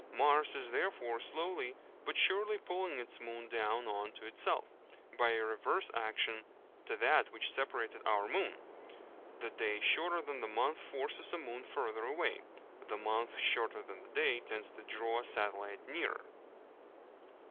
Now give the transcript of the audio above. Mars is therefore slowly but surely pulling its moon down on to itself, by a reverse action to that which separated our moon. The day shorter than the month forces a moon further away; the month shorter than the day tends to draw a satellite nearer.